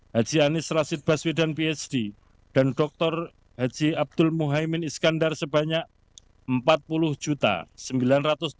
haji anies rasid baswedan phd dan dr haji abdul muhaymin iskandar sebanyak empat puluh sembilan ratus tujuh puluh satu sembilan ratus enam suara